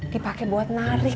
dipake buat narik